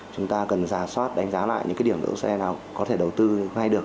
chúng ta cần giả soát đánh giá lại những cái điểm đỗ xe nào có thể đầu tư ngay được